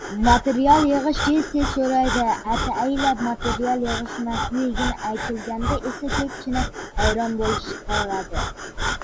material yigʻishini tez-tez soʻraydi. Ataylab material yigʻilmasligi aytilganida esa koʻpincha hayron qolishadi.